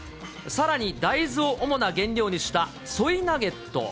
さらに大豆を主な原料にしたソイナゲット。